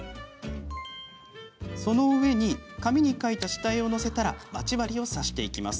その上に紙に描いた下絵を載せたらまち針を刺していきます。